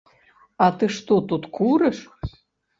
А ты што тут курыш?